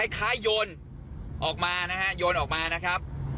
คล้ายโยนออกมานะฮะโยนออกมานะครับ